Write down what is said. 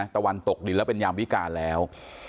ตะวันตกดินแล้วเป็นยามวิการแล้ว